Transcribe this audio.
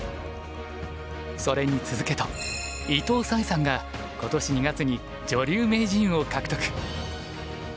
それに続けと伊藤沙恵さんが今年２月に女流名人を獲得。